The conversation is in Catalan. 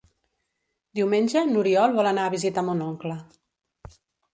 Diumenge n'Oriol vol anar a visitar mon oncle.